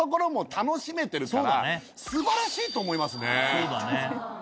そうだね。